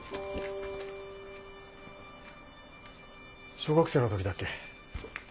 小学生のときだっけ。